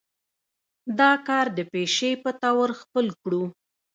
دا کار د پيشې پۀ طور خپل کړو